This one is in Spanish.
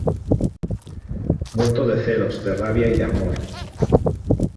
muerto de celos, de rabia y de amor.